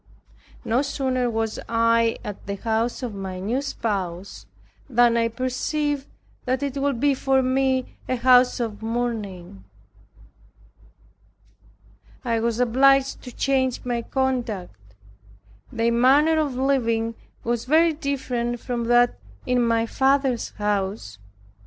No sooner was I at the house of my new spouse, than I perceived that it would be for me a house of mourning. I was obliged to change my conduct. Their manner of living was very different from that in my father's house.